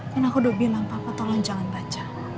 kan aku udah bilang papa tolong jangan baca